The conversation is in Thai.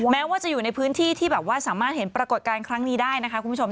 แม้ว่าจะอยู่ในพื้นที่ที่แบบว่าสามารถเห็นปรากฏการณ์ครั้งนี้ได้นะคะคุณผู้ชม